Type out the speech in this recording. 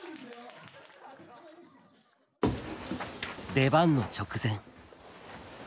出番の直前。